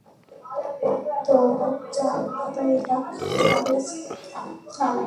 তুমক জান তো এটা কিভাবে চালায়?